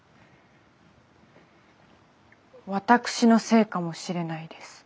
私のせいかもしれないです。